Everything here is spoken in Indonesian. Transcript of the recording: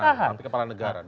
tapi kepala negara